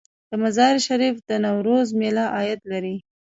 د مزار شریف د نوروز میله عاید لري؟